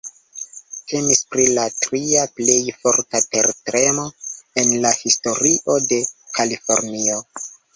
Temis pri la tria plej forta tertremo en la historio de Kalifornio.